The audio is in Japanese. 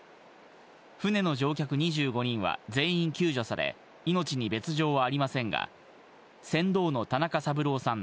船の乗客２５人は全員救助され命に別条はありませんが、船頭の田中三郎さん